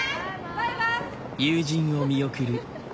バイバイ！